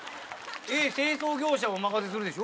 「Ａ清掃業者をおまかせする」でしょ？